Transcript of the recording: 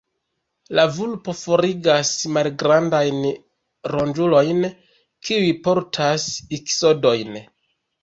La vulpo forigas malgrandajn ronĝulojn, kiuj portas iksodojn.